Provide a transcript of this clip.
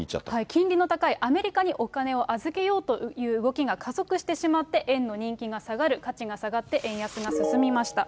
金利の高いアメリカにお金を預けようという動きが加速してしまって、円の人気が下がる、価値が下がって、円安が進みました。